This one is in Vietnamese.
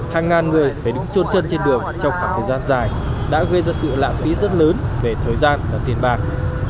hàng ngàn người phải đứng trôn chân trên đường trong khoảng thời gian dài đã gây ra sự lãng phí rất lớn về thời gian và tiền bạc